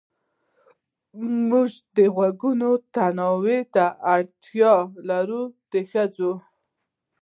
موږ د غږونو تنوع ته اړتيا لرو ښځې